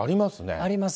あります。